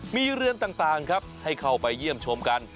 มีเรือนต่างครับให้เข้าไปเยี่ยมชมกัน